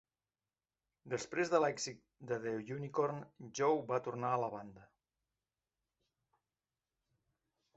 Després de l'èxit de "The Unicorn", Joe va tornar a la banda.